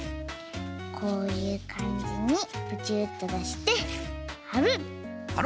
こういうかんじにブチュっとだしてはる！